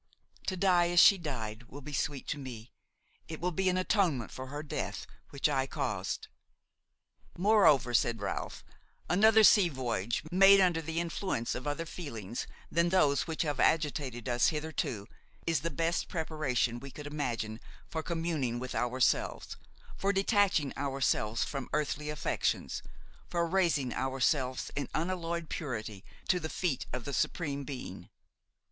To die as she died will be sweet to me; it will be an atonement for her death, which I caused." "Moreover," said Ralph, "another sea voyage, made under the influence of other feelings than those which have agitated us hitherto, is the best preparation we could imagine for communing with ourselves, for detaching ourselves from earthly affections, for raising ourselves in unalloyed purity to the feet of the Supreme Being.